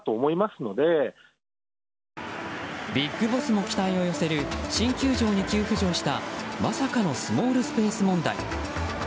ＢＩＧＢＯＳＳも期待を寄せる新球場に急浮上したまさかのスモールスペース問題。